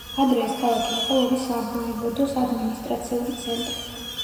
ადრე ეს ქალაქი იყო ორი სავოევოდოს ადმინისტრაციული ცენტრი.